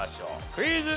クイズ。